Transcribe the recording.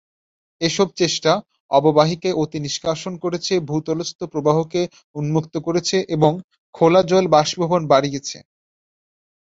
এসব চেষ্টা অববাহিকায় অতি নিষ্কাশন করেছে, ভূতলস্থ প্রবাহকে উন্মুক্ত করেছে এবং খোলাজল বাষ্পীভবন বাড়িয়েছে।